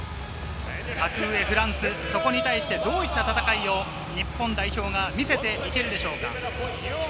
格上フランス、そこに対してどういった戦いを日本代表が見せていけるでしょうか。